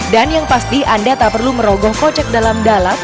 dan yang pasti anda tak perlu merogoh kocek dalam dalam